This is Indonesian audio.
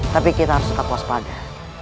tapi kita harus tetap puas pada